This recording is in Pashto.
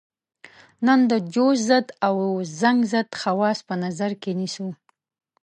نن د جوش ضد او زنګ ضد خواص په نظر کې نیسو.